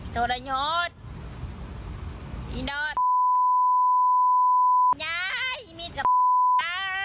ตุลายุทธ์